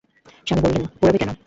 স্বামী বললেন, পোড়াবে কেন?